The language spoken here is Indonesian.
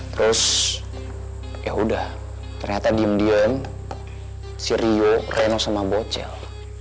terus yaudah ternyata diem diem si rio reno sama bocel